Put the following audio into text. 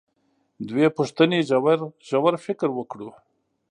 دوې پوښتنې ژور فکر وکړو.